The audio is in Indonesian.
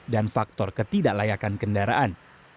dan faktor ketidaklayakan kendaraan